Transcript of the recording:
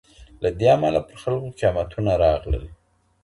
له دې امله پر خلګو قيامتونه راغلل.